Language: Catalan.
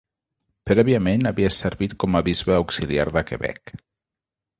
Prèviament havia servit com a bisbe auxiliar de Quebec.